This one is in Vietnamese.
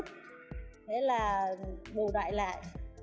thế là bù đại lại